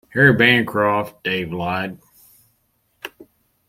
Harry Bancroft, Dave lied.